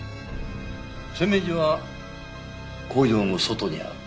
洗面所は工場の外にある。